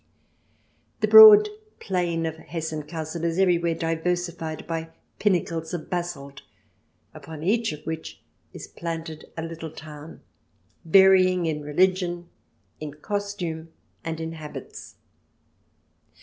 The broad plain of Hessen Cassel is everywhere diversified by pinnacles of basalt, upon each of which is planted a little town, varying in religion, in costume, and in habits.